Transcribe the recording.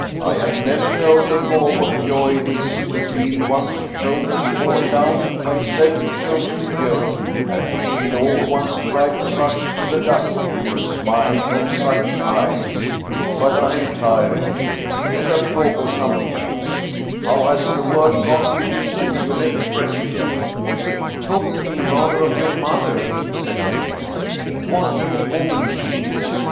I have never known before what joy it is to feel one's shoul ders borne down by a self chosen yoke, and to feel all one's pride crushed to the dust for a smile from such eyes. But I am tiring you. Let us talk of something else. How has the world gone with you since you left Brescia ?"" Talk to me rather of your mother," said Andrea. " What a woman she is